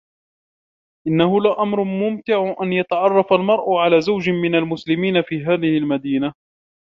إنّه لأمر ممتع أن يتعرّف المرأ على زوج من المسلمين في هذه المدينة.